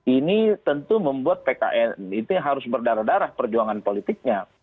ini tentu membuat pkn itu harus berdarah darah perjuangan politiknya